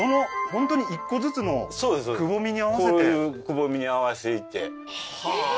本当に一個ずつのくぼみに合わせてこういうくぼみに合わしていってええー